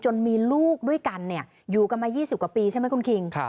มีลูกด้วยกันอยู่กันมา๒๐กว่าปีใช่ไหมคุณคิง